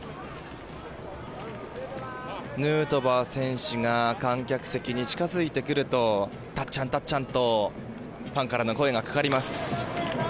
ヌートバー選手が観客席に近づいてくるとたっちゃん、たっちゃんとファンからの声がかかります。